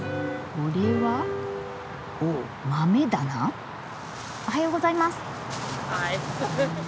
おはようございます。